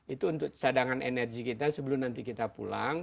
itu untuk cadangan energi kita sebelum nanti kita pulang